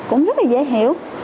cũng rất là dễ hiểu